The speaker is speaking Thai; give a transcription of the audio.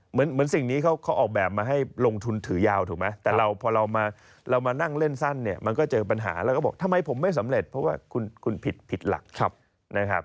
เหมือนสิ่งนี้เขาออกแบบมาให้ลงทุนถือยาวถูกไหมแต่เราพอเรามานั่งเล่นสั้นเนี่ยมันก็เจอปัญหาแล้วก็บอกทำไมผมไม่สำเร็จเพราะว่าคุณผิดหลักนะครับ